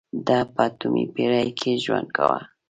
ده په اتمې پېړۍ کې ژوند کاوه.